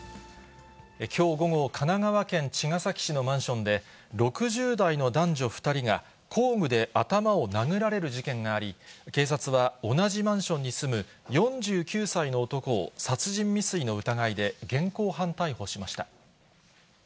きょう午後、神奈川県茅ヶ崎市のマンションで、６０代の男女２人が、工具で頭を殴られる事件があり、警察は、同じマンションに住む４９歳の男を殺人未遂の疑いで現行犯逮捕しました。